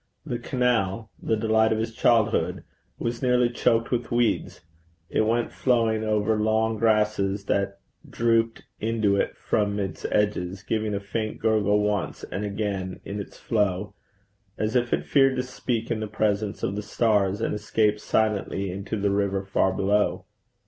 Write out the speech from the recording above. The canal, the delight of his childhood, was nearly choked with weeds; it went flowing over long grasses that drooped into it from its edges, giving a faint gurgle once and again in its flow, as if it feared to speak in the presence of the stars, and escaped silently into the river far below.